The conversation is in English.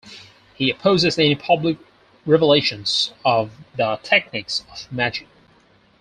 He opposes any public revelations of the techniques of magic.